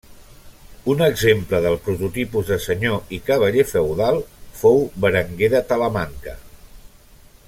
Un exemple del prototipus de senyor i cavaller feudal fou Berenguer de Talamanca.